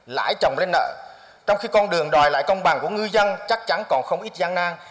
lãi trồng lên nợ trong khi con đường đòi lại công bằng của ngư dân chắc chắn còn không ít gian nang